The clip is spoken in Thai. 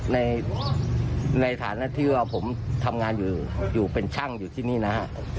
ในฐานะที่ว่าผมทำงานอยู่อยู่เป็นช่างอยู่ที่นี่นะฮะ